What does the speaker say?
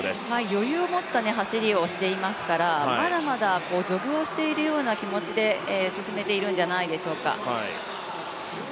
余裕を持った走りをしていますからまだまだジョグをしているような気持ちで進めているんじゃないでしょうか。